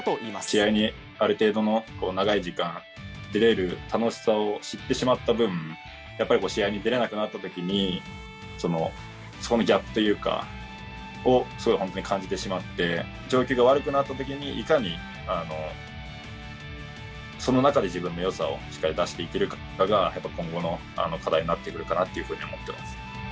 試合にある程度の長い時間出れる楽しさを知ってしまった分、やっぱりこう、試合に出られなくなったときに、そこのギャップというかを、すごい本当に感じてしまって、状況が悪くなったときに、いかにその中で自分のよさをしっかり出していけるかが、やっぱ今後の課題になってくるかなと思っています。